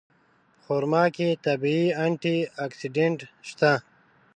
په خرما کې طبیعي انټي اکسېډنټ شته.